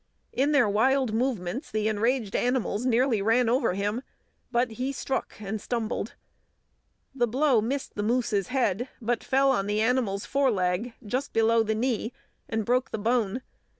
In their wild movements the enraged animals nearly ran over him, but he struck and stumbled. The blow missed the moose's head, but fell on the animal's foreleg, just below the knee, and broke the bone.